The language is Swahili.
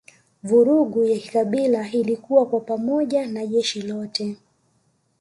Vurugu ya kikabila ilikua kwa pamoja na jeshi lote